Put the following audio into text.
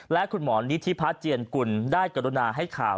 และคุณหมอนิธิพัฒน์เจียนกุลได้กรุณาให้ข่าว